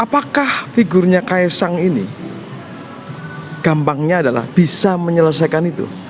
apakah figurnya kaisang ini gampangnya adalah bisa menyelesaikan itu